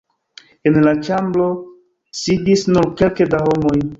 En la ĉambro sidis nur kelke da homoj.